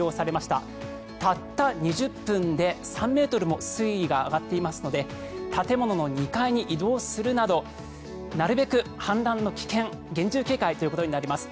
たった２０分で３ｍも水位が上がっていますので建物の２階に移動するなどなるべく氾濫の危険厳重警戒ということになります。